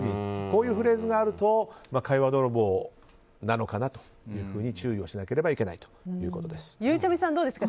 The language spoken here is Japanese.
こういうフレーズがあると会話泥棒なのかなというふうに注意をしなければいけないということです。